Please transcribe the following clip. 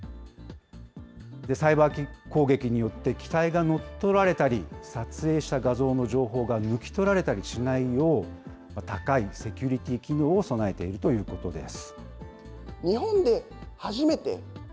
サイバー攻撃によって機体が乗っ取られたり、撮影した画像の情報が抜き取られたりしないよう、高いセキュリティー機能を備えているということです。